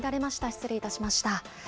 失礼いたしました。